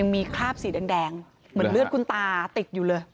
มีคราบสีแดงเหมือนเลือดคุณตาติดอยู่เลย